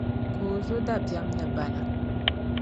Ka o zo dabiεm ni bana.